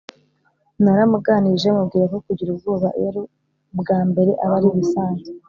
Naramuganirije mubwira ko kugira ubwoba iyo ari ubwa mbere aba ari ibisanzwe